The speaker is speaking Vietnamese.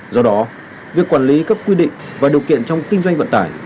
do đó việc quản lý các quy định và điều kiện trong kinh doanh vận tải